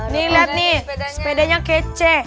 nih lihat nih sepedanya kece